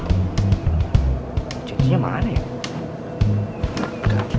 aku lupa yang hal itu mbak kim siapa yang menyatakan segelit